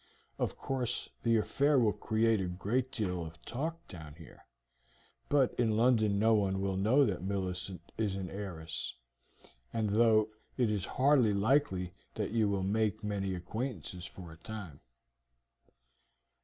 Of course the affair will create a great deal of talk down here, but in London no one will know that Millicent is an heiress, though it is hardly likely that you will make many acquaintances for a time."